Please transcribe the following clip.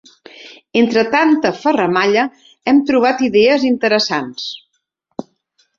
Entre tanta ferramalla hem trobat idees interessants.